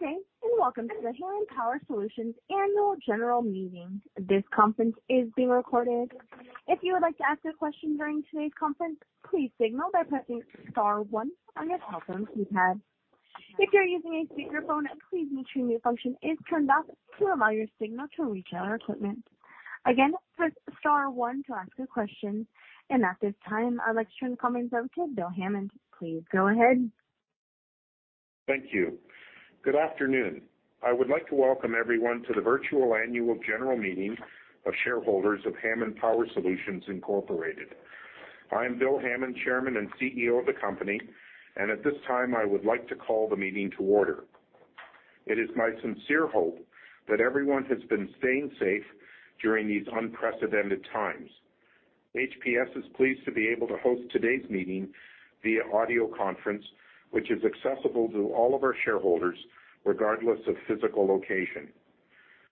Good day, and welcome to the Hammond Power Solutions Annual General Meeting. This conference is being recorded. If you would like to ask a question during today's conference, please signal by pressing star one on your telephone keypad. If you're using a speakerphone, please make sure mute function is turned off to allow your signal to reach our equipment. Again, press star one to ask a question. At this time, I'd like to turn the comments over to Bill Hammond. Please go ahead. Thank you. Good afternoon. I would like to welcome everyone to the virtual Annual General Meeting of Shareholders of Hammond Power Solutions Incorporated. I'm Bill Hammond, Chairman and CEO of the company, and at this time, I would like to call the meeting to order. It is my sincere hope that everyone has been staying safe during these unprecedented times. HPS is pleased to be able to host today's meeting via audio conference, which is accessible to all of our shareholders, regardless of physical location.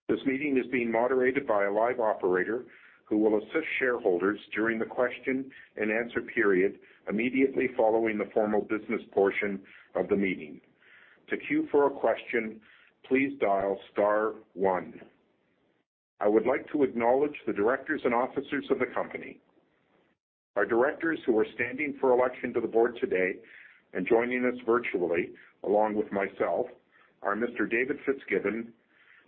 This meeting is being moderated by a live operator who will assist shareholders during the question-and-answer period immediately following the formal business portion of the meeting. To queue for a question, please dial star one. I would like to acknowledge the directors and officers of the company. Our directors who are standing for election to the board today and joining us virtually, along with myself, are Mr. David J. FitzGibbon,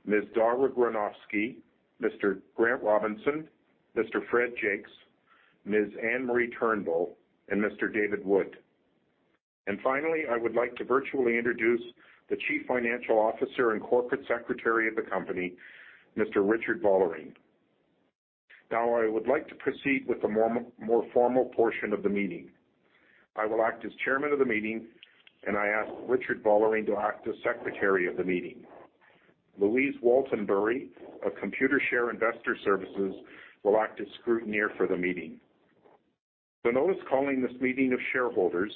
Ms. Dahra Granovsky, Mr. Grant C. Robinson, Mr. Fred Jaques, Ms. Anne Marie Turnbull, and Mr. J. David Wood. Finally, I would like to virtually introduce the Chief Financial Officer and Corporate Secretary of the company, Mr. Richard Vollering. Now I would like to proceed with the more formal portion of the meeting. I will act as chairman of the meeting, and I ask Richard Vollering to act as secretary of the meeting. Louise Walton-Burry of Computershare Investor Services will act as scrutineer for the meeting. The notice calling this meeting of shareholders,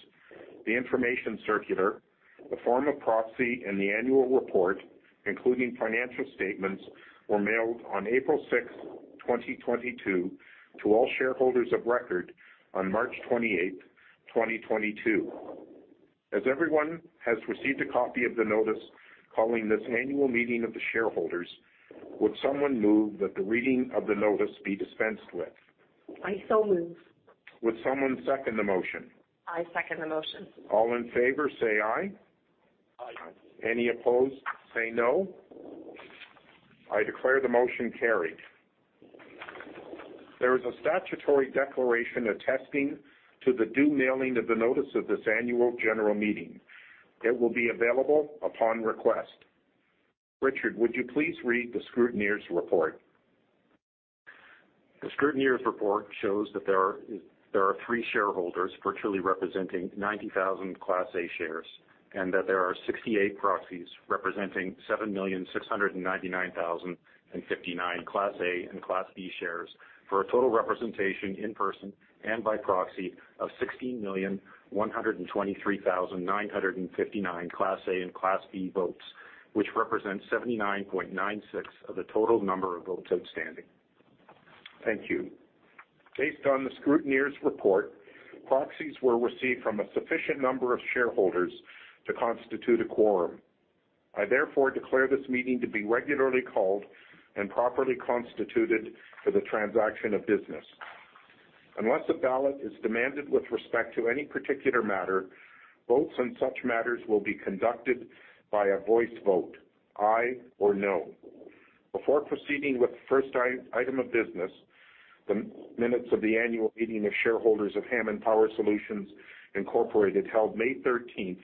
the information circular, the form of proxy, and the annual report, including financial statements, were mailed on April 6, 2022 to all shareholders of record on March 28, 2022. As everyone has received a copy of the notice calling this annual meeting of the shareholders, would someone move that the reading of the notice be dispensed with? I move. Would someone second the motion? I second the motion. All in favor say aye. Aye. Any opposed say no. I declare the motion carried. There is a statutory declaration attesting to the due mailing of the notice of this annual general meeting. It will be available upon request. Richard, would you please read the scrutineer's report? The scrutineer's report shows that there are three shareholders virtually representing 90,000 Class A shares and that there are 68 proxies representing 7,699,059 Class A and Class B shares for a total representation in person and by proxy of 16,123,959 Class A and Class B votes, which represents 79.96% of the total number of votes outstanding. Thank you. Based on the scrutineer's report, proxies were received from a sufficient number of shareholders to constitute a quorum. I therefore declare this meeting to be regularly called and properly constituted for the transaction of business. Unless a ballot is demanded with respect to any particular matter, votes on such matters will be conducted by a voice vote, aye or no. Before proceeding with the first item of business, the minutes of the annual meeting of shareholders of Hammond Power Solutions Inc. held May 13,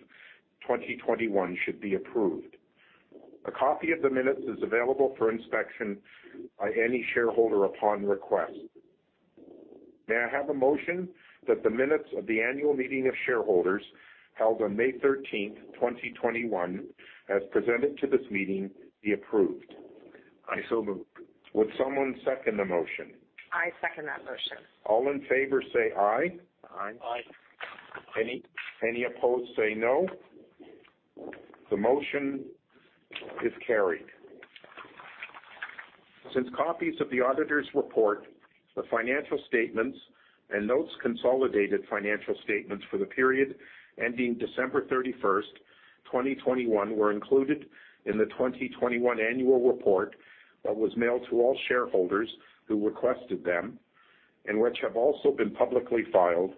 2021 should be approved. A copy of the minutes is available for inspection by any shareholder upon request. May I have a motion that the minutes of the annual meeting of shareholders held on May 13, 2021, as presented to this meeting, be approved. I so move. Would someone second the motion? I second that motion. All in favor say aye. Aye. Any opposed say no. The motion is carried. Since copies of the auditor's report, the financial statements, and notes consolidated financial statements for the period ending December 31, 2021 were included in the 2021 annual report that was mailed to all shareholders who requested them and which have also been publicly filed,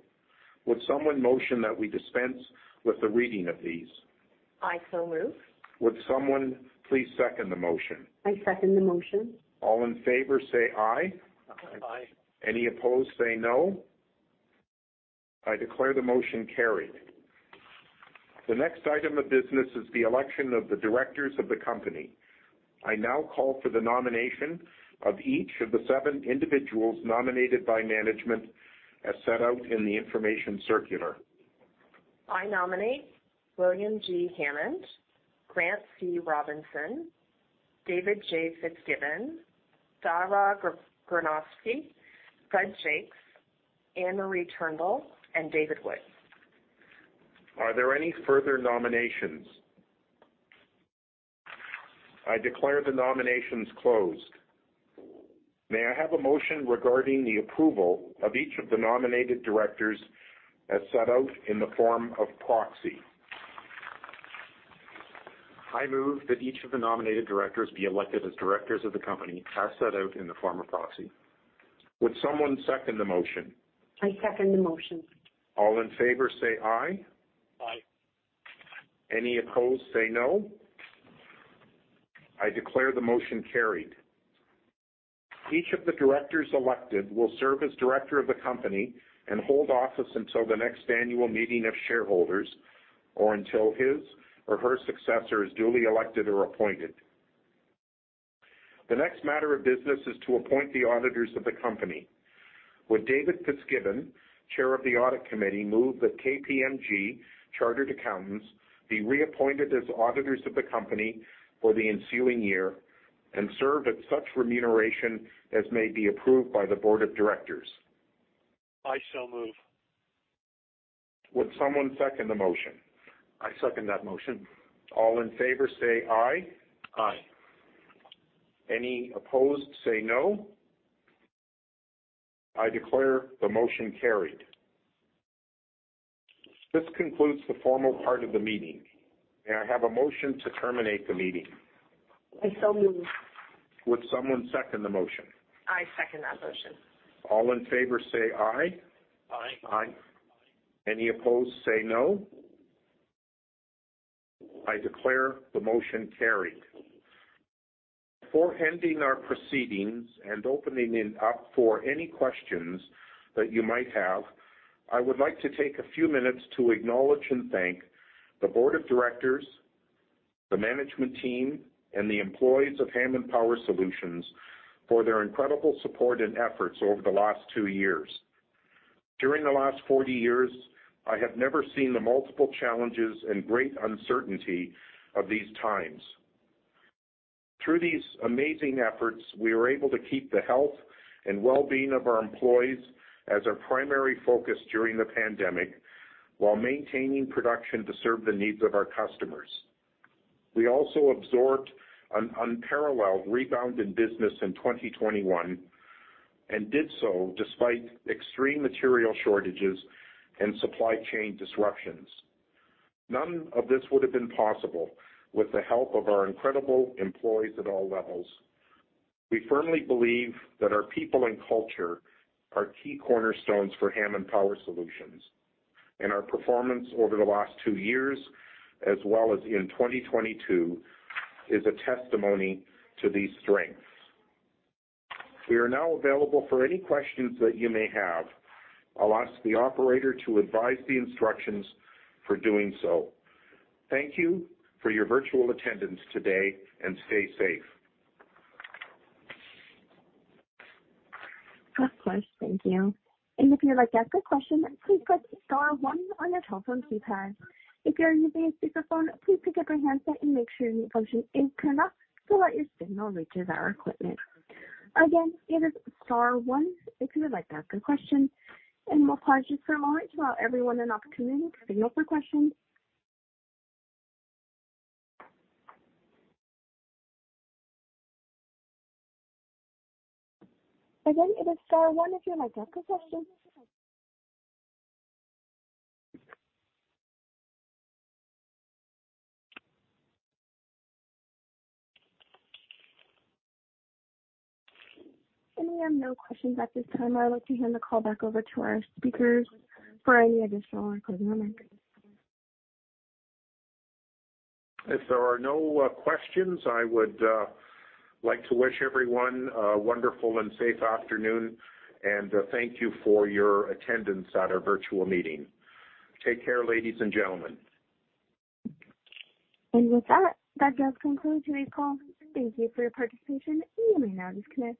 would someone motion that we dispense with the reading of these? I so move. Would someone please second the motion? I second the motion. All in favor say aye. Aye. Any opposed, say no. I declare the motion carried. The next item of business is the election of the directors of the company. I now call for the nomination of each of the seven individuals nominated by management as set out in the information circular. I nominate William G. Hammond, Grant C. Robinson, David J. FitzGibbon, Dahra Granovsky, Fred Jaques, Anne Marie Turnbull, and J. David Wood. Are there any further nominations? I declare the nominations closed. May I have a motion regarding the approval of each of the nominated directors as set out in the form of proxy? I move that each of the nominated directors be elected as directors of the company as set out in the form of proxy. Would someone second the motion? I second the motion. All in favor say aye. Aye. Any opposed say no. I declare the motion carried. Each of the directors elected will serve as director of the company and hold office until the next annual meeting of shareholders, or until his or her successor is duly elected or appointed. The next matter of business is to appoint the auditors of the company. Would David FitzGibbon, Chair of the Audit Committee, move that KPMG Chartered Accountants be reappointed as auditors of the company for the ensuing year and serve at such remuneration as may be approved by the Board of Directors. I so move. Would someone second the motion? I second that motion. All in favor say aye. Aye. Any opposed say no. I declare the motion carried. This concludes the formal part of the meeting. May I have a motion to terminate the meeting? I move. Would someone second the motion? I second that motion. All in favor say aye. Aye. Aye. Any opposed say no. I declare the motion carried. Before ending our proceedings and opening it up for any questions that you might have, I would like to take a few minutes to acknowledge and thank the board of directors, the management team, and the employees of Hammond Power Solutions for their incredible support and efforts over the last 2 years. During the last 40 years, I have never seen the multiple challenges and great uncertainty of these times. Through these amazing efforts, we were able to keep the health and well-being of our employees as our primary focus during the pandemic while maintaining production to serve the needs of our customers. We also absorbed an unparalleled rebound in business in 2021 and did so despite extreme material shortages and supply chain disruptions. None of this would have been possible with the help of our incredible employees at all levels. We firmly believe that our people and culture are key cornerstones for Hammond Power Solutions and our performance over the last two years as well as in 2022 is a testimony to these strengths. We are now available for any questions that you may have. I'll ask the operator to advise the instructions for doing so. Thank you for your virtual attendance today and stay safe. Of course. Thank you. If you'd like to ask a question, please press star one on your telephone keypad. If you're using a speakerphone, please pick up your handset and make sure mute function is turned off to let your signal reach our equipment. Again, it is star one if you would like to ask a question, and we'll pause just for a moment to allow everyone an opportunity to signal for questions. Again, it is star one if you would like to ask a question. We have no questions at this time. I would like to hand the call back over to our speakers for any additional closing remarks. If there are no questions, I would like to wish everyone a wonderful and safe afternoon and thank you for your attendance at our virtual meeting. Take care, ladies and gentlemen. With that does conclude today's call. Thank you for your participation. You may now disconnect.